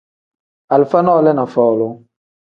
Alifa nole ni folu.